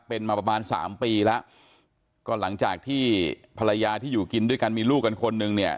เป็นมาประมาณสามปีแล้วก็หลังจากที่ภรรยาที่อยู่กินด้วยกันมีลูกกันคนนึงเนี่ย